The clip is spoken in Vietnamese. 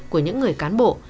của những người cán bộ